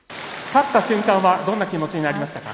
勝った瞬間はどんな気持ちになりましたか。